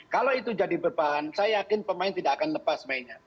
kalau itu jadi berbahan saya yakin pemain tidak akan lepas mainnya